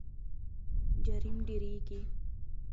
جرایم ډیریږي.